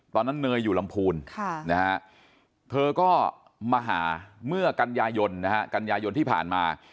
เธอตอนนั้นเนยอยู่ลำพูนเธอก็มาหาเมื่อกันยายนที่ผ่านมา